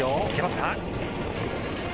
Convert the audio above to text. いけますか。